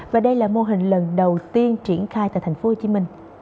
và đây là mô hình lần đầu tiên triển khai tại tp hcm